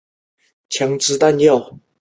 鲁迅常到全浙会馆。